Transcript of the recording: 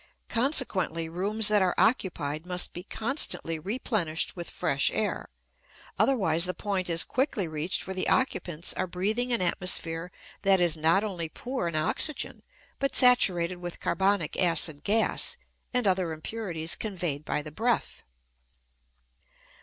Consequently, rooms that are occupied must be constantly replenished with fresh air; otherwise the point is quickly reached where the occupants are breathing an atmosphere that is not only poor in oxygen but saturated with carbonic acid gas and other impurities conveyed by the breath.